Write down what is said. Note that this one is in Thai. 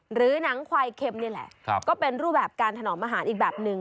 หรือหนังควายเค็มนี่แหละก็เป็นรูปแบบการถนอมอาหารอีกแบบหนึ่ง